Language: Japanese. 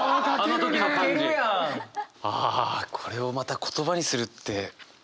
あああこれをまた言葉にするって。